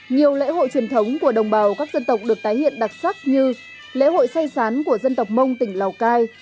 nhiều lễ hội truyền thống của đồng bào các dân tộc được tái hiện đặc sắc như lễ hội say sán của dân tộc mông tỉnh lào cai